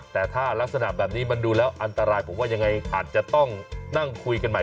แต่ถ้ารักษณะแบบนี้มันดูแล้วอันตรายผมว่ายังไงอาจจะต้องนั่งคุยกันใหม่